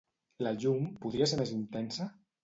La llum podria ser més intensa?